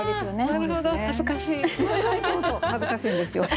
そうそう恥ずかしいんですよ。